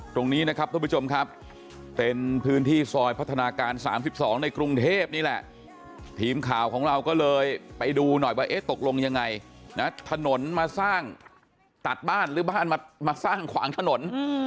ตรงนี้นะครับทุกผู้ชมครับเป็นพื้นที่ซอยพัฒนาการ๓๒ในกรุงเทพนี่แหละทีมข่าวของเราก็เลยไปดูหน่อยว่าเอ๊ะตกลงยังไงนะถนนมาสร้างตัดบ้านหรือบ้านมาสร้างขวางถนน